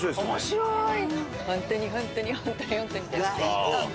面白い！